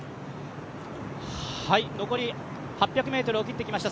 残り８００ｍを切ってきました。